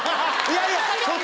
いやいや。